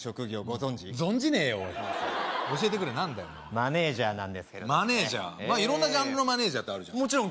存じねえよおい教えてくれ何だよマネージャーなんですけれどもねマネージャーまあ色んなジャンルのマネージャーってあるじゃん